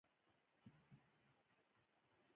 ژبه د ځوانانو هویت ښيي